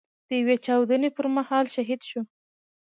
د يوې چاودنې پر مهال شهيد شو.